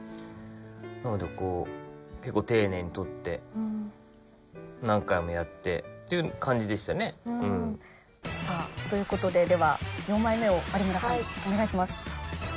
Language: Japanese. なのでこう結構。っていう感じでしたね。ということででは４枚目を有村さんお願いします。